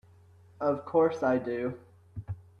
Of course I do!